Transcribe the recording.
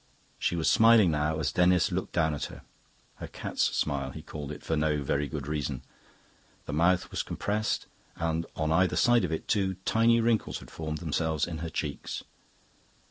She was smiling now as Denis looked down at her: her cat's smile, he called it, for no very good reason. The mouth was compressed, and on either side of it two tiny wrinkles had formed themselves in her cheeks.